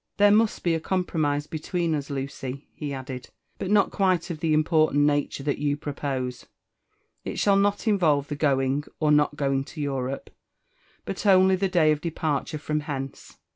There must be a compromise between us, Lucy," he added, "but not quite of the important hd^re that you propose : it shall not involve the going or not going to Europo, but only the day of departure from hence.